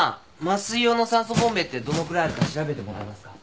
麻酔用の酸素ボンベってどのくらいあるか調べてもらえますか？